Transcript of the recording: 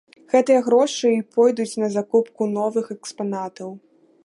Гэтыя грошы і пойдуць на закупку новых экспанатаў.